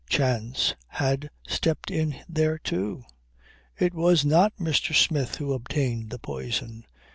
Chance had stepped in there too. It was not Mr. Smith who obtained the poison.